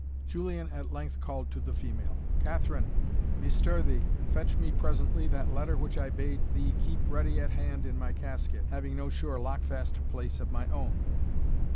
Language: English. Julian at length called to the female, "Catherine, bestir thee, and fetch me presently that letter which I bade thee keep ready at hand in thy casket, having no sure lockfast place of my own."